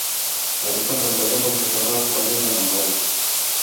alikua na mtazamo mkakamavu wa mema na maovu